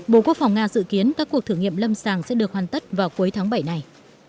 bộ quốc phòng nga dự kiến các cuộc thử nghiệm lâm sàng sẽ được hoàn tất vào cuối tháng bảy này